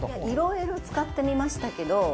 いろいろ使ってみましたけど。